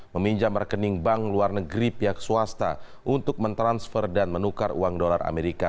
meminjam rekening bank luar negeri pihak swasta untuk mentransfer dan menukar uang dolar amerika